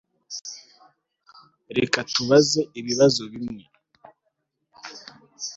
Reka tubaze ibibazo bimwe